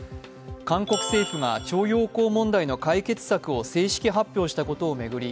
韓国政府が徴用工問題の解決策を正式発表したことを巡り